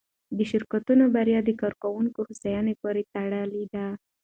د شرکتونو بریا د کارکوونکو هوساینې پورې تړلې ده.